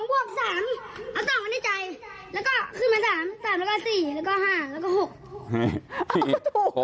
๒ไว้ในใจแล้วก็๓